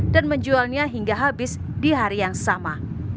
dan menjualnya hingga habis di hari yang sama